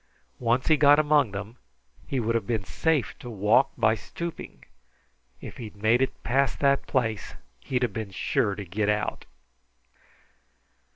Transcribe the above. Once he got among them, he would have been safe to walk by stooping. If he'd made it past that place, he'd been sure to get out."